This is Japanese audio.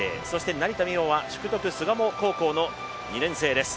成田実生は淑徳巣鴨高校の２年生です。